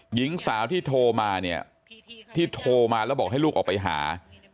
หญิงสาวที่โทรมาเนี่ยที่โทรมาแล้วบอกให้ลูกออกไปหา